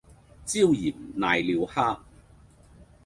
椒鹽瀨尿蝦